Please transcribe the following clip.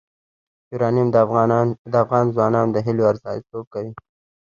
یورانیم د افغان ځوانانو د هیلو استازیتوب کوي.